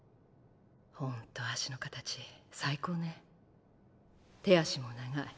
ほんと脚の形最高ね手足も長い。